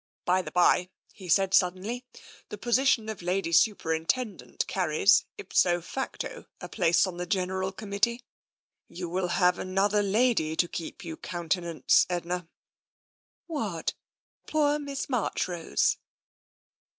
"By the by," he said suddenly, "the position of Lady Superintendent carries, ipso facto, a place on the General Committee. You will have another lady to keep you in countenance, Edna." What, poor Miss Marchrose